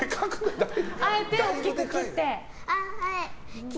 あえて大きく切ったの？